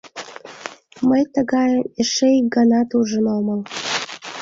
— Мый тыгайым эше ик ганат ужын омыл.